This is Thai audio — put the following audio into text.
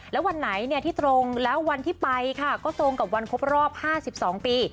แล้ววันไหนที่ตรงแล้ววันที่ไปค่ะก็ตรงกับวันครบรอบ๕๒ปี